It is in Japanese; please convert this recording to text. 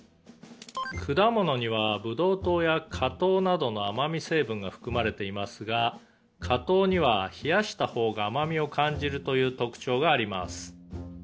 「果物にはブドウ糖や果糖などの甘味成分が含まれていますが果糖には冷やした方が甘味を感じるという特徴があります」